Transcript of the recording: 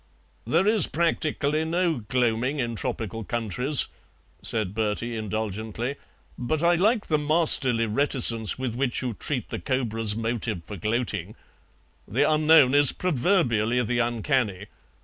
'" "There is practically no gloaming in tropical countries," said Bertie indulgently; "but I like the masterly reticence with which you treat the cobra's motive for gloating. The unknown is proverbially the uncanny.